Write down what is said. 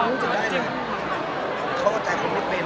อ่อนี่ก็ให้เป็นเรื่องของอนาคตตกกันนะครับ